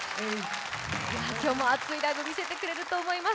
今日も熱いライブ見せてくれると思います。